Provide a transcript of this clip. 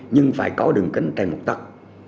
nhưng phải có đường kính trên một tắc